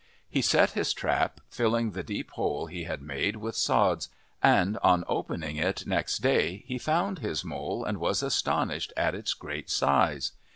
He set his trap, filling the deep hole he had made with sods, and on opening it next day he found his mole and was astonished at its great size.